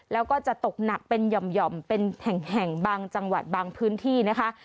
แล้วก็จะตกหนักเป็นหย่อมเป็นแห่งบางจังหวัดบางพื้นที่นะคะ